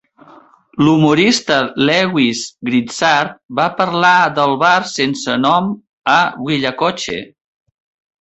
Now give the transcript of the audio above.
L'humorista Lewis Grizzard va parlar del bar sense nom a Willacoochee.